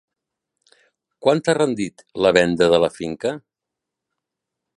Quant t'ha rendit, la venda de la finca?